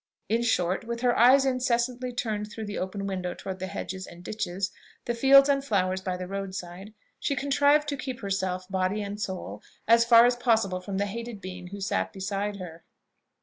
In short, with her eyes incessantly turned through the open window towards the hedges and ditches, the fields and the flowers by the road side, she contrived to keep herself, body and soul, as far as possible from the hated being who sat beside her.